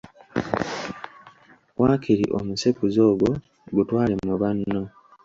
Waakiri omusekuzo ogwo gutwale mu banno.